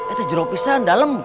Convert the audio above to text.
itu jeropisan dalam